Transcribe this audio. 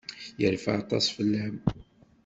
Yerfa aṭas fell-am.